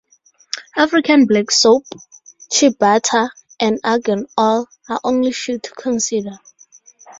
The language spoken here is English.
African black soap, Chea Butter and Argan Oil are only few to consider.